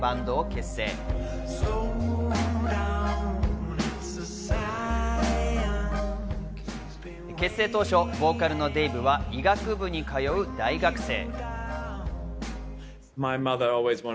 結成当初、ボーカルのデイヴは医学部に通う大学生。